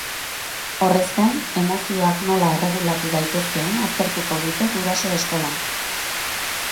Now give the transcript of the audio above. Horrez gain, emozioak nola erregulatu daitezkeen aztertuko dute guraso eskolan.